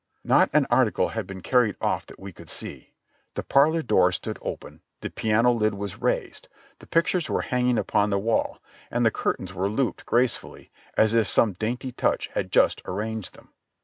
Not an article had been carried off that we could see ; the parlor door stood open, the piano lid was raised, the pictures were hanging upon the wall, and the curtains were looped gracefully, as if some dainty touch had just arranged them.